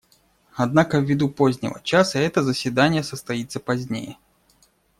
Однако, ввиду позднего часа, это заседание состоится позднее.